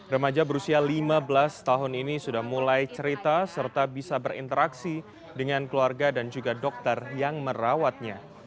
remaja berusia lima belas tahun ini sudah mulai cerita serta bisa berinteraksi dengan keluarga dan juga dokter yang merawatnya